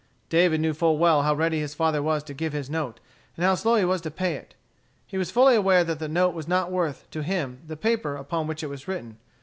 David knew full well how ready his father was to give his note, and how slow he was to pay it. He was fully aware that the note was not worth, to him, the paper upon which it was written.